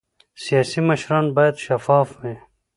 سیاسي مشران باید شفاف وي